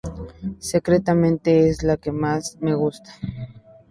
Sinceramente, es la que más me gusta.